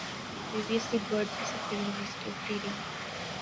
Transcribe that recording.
Previously Bird was at the University of Reading.